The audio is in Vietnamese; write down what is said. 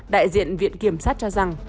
đại diện viện kiểm sát cho rằng